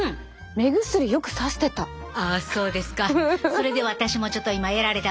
それで私もちょっと今やられたわけやね。